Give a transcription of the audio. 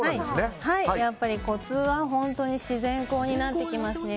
やっぱりコツは本当に自然光になってきますね。